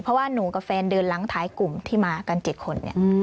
เพราะว่าหนูกับแฟนเดินหลังท้ายกลุ่มที่มากัน๗คนเนี่ย